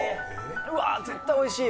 うわー絶対おいしい。